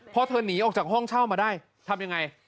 พอเธอหนีออกจากห้องเช่ามาได้ทำยังไง